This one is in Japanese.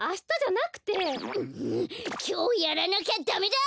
んきょうやらなきゃダメだ！